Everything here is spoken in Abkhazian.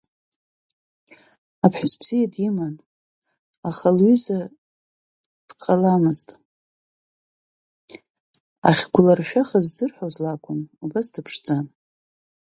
Аԥҳәыс бзиа диман, аха лҩыза дҟаламызт, ахь гәлыршәах ззырҳәо лакәын, убас дԥшӡан.